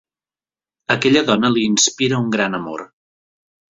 Aquella dona li inspira un gran amor.